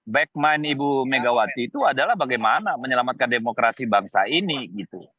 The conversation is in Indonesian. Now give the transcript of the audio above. back mind ibu megawati itu adalah bagaimana menyelamatkan demokrasi bangsa ini gitu